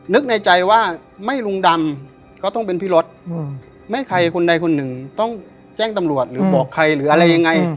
นึกในใจว่าไม่ลุงดำก็ต้องเป็นพี่รถไม่ใครคนใดคนหนึ่งต้องแจ้งตำรวจหรือบอกใครหรืออะไรยังไง